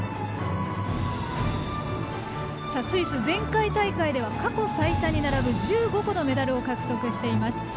スイス、前回大会では過去最多に並ぶ１５個のメダルを獲得しています。